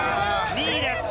２位です。